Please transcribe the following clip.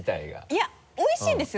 いやおいしいんですよ